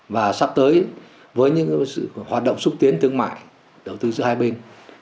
và sắp tới với những hoạt động xúc tiến thương mại đầu tư giữa hai bên